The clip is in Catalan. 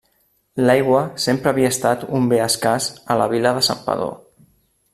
L'aigua sempre havia estat un bé escàs a la vila de Santpedor.